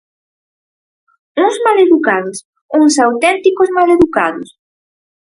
Uns maleducados, uns auténticos maleducados.